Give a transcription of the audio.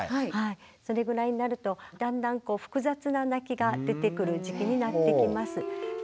それぐらいになるとだんだん複雑な泣きが出てくる時期になってきます。